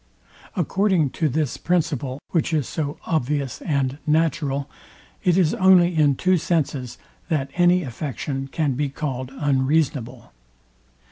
According to this principle, which is so obvious and natural, it is only in two senses, that any affection can be called unreasonable.